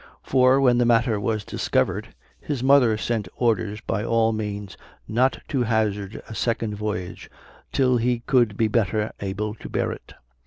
For, when the matter was discovered, his mother sent orders by all means not to hazard a second voyage till he could be better able to bear it.